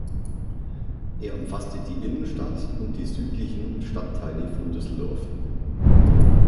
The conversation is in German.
Er umfasste die Innenstadt und die südlichen Stadtteile von Düsseldorf.